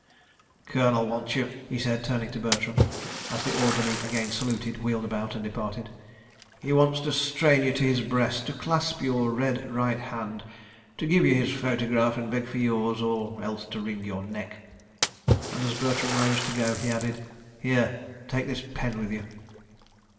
"Colonel wants you," he said, turning to Bertram, as the orderly again saluted, wheeled about, and departed. "He wants to strain you to his breast, to clasp your red right hand, to give you his photograph and beg for yours—or else to wring your neck!" And as Bertram rose to go, he added: "Here—take this pen with you."